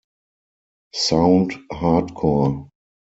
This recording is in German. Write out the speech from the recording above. Sound Hardcore.